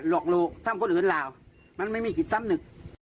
บอกลูกท่ามคนอื่นราวมันไม่มีกิจทั้งหนึ่ง